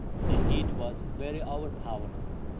The heat was very overpowering.